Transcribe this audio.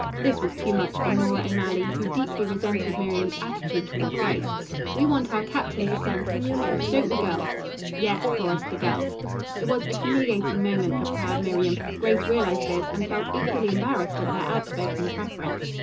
This was too much for Nora O'Malley, who deeply resented Miriam's attitude toward Grace. "We want our captain for center," she said. "Don't we, girls?" "Yes," chorused the girls. It was a humiliating moment for proud Miriam. Grace realized this and felt equally embarrassed at their outspoken preference.